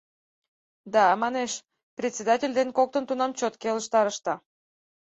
— Да, — манеш, — председатель ден коктын тунам чот келыштарышда!